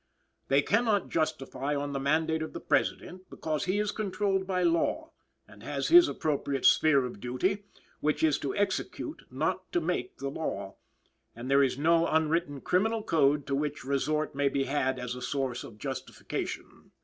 "They cannot justify on the mandate of the President; because he is controlled by law and has his appropriate sphere of duty, which is to execute not to make the law; and there is no unwritten criminal code to which resort may be had as a source of jurisdiction."